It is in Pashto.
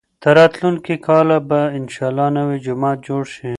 تر راتلونکي کاله به انشاالله نوی جومات جوړ شي.